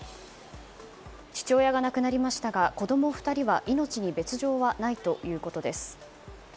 父親が亡くなりましたが子供２人は命に別条はないということです。